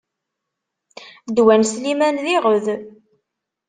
Ddwa n Sliman d iɣed.